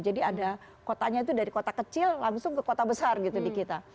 jadi ada kotanya itu dari kota kecil langsung ke kota besar gitu di kita